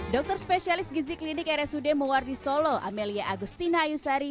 dokter spesialis gizi klinik rsud mewardi solo amelia agustina ayusari